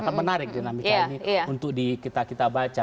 kan menarik dinamiknya ini untuk kita baca